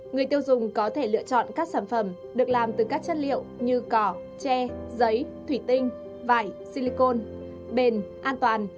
người tiêu dùng có thể lựa chọn các sản phẩm được làm từ các chất liệu như cỏ tre giấy thủy tinh vải silicon bền an toàn